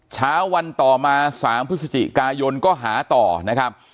เช้าวันต่อมา๓พฤศจิกายนก็หาต่อนะครับ